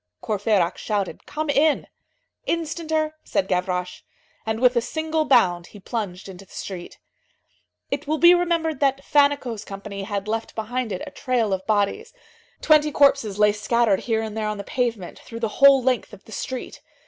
Courfeyrac shouted:—"Come in!" "Instanter," said Gavroche. And with a single bound he plunged into the street. It will be remembered that Fannicot's company had left behind it a trail of bodies. Twenty corpses lay scattered here and there on the pavement, through the whole length of the street.